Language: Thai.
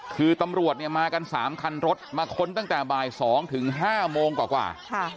คือตำรวจเนี่ยมากัน๓คันรถมาค้นตั้งแต่บ่าย๒๕โมงกว่า